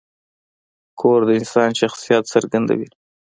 کور د انسان شخصیت څرګندوي.